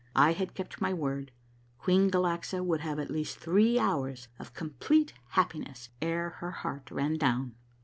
I had kept my word — Queen Galaxa would have at least three hours of complete happiness ere her heart ran down.